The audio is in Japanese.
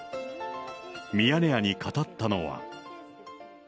ミヤネ屋に語ったのは。